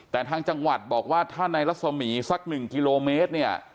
แต่ทางจังหวัดบอกว่าถ้าในลักษมณี๑กิโลเมตร